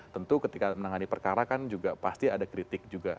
tentu ketika menangani perkara kan juga pasti ada kritik juga